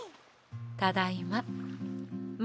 ただいま。